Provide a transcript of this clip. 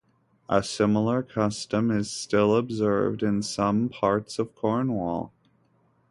A similar custom is still observed in some parts of Cornwall.